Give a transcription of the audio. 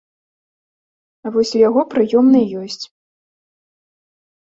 А вось у яго прыёмнай ёсць.